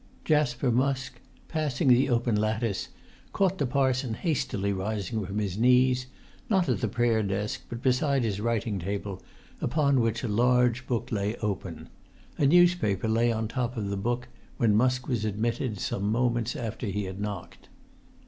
Jasper Musk, passing the open lattice, caught the parson hastily rising from his knees, not at the prayer desk, but beside his writing table, upon which a large book lay open. A newspaper lay on top of the book when Musk was admitted some moments after he had knocked.